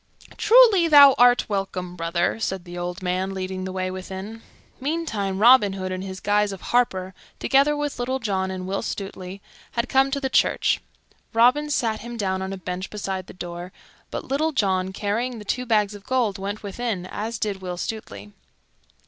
"Truly, thou art welcome, brother," said the old man, leading the way within. Meantime, Robin Hood, in his guise of harper, together with Little John and Will Stutely, had come to the church. Robin sat him down on a bench beside the door, but Little John, carrying the two bags of gold, went within, as did Will Stutely.